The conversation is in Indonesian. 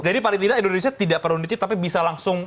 jadi paling tidak indonesia tidak perlu ditip tapi bisa langsung